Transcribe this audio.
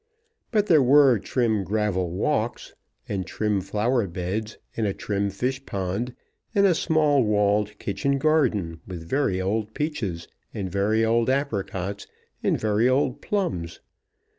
But there were trim gravel walks, and trim flower beds, and a trim fish pond, and a small walled kitchen garden, with very old peaches, and very old apricots, and very old plums.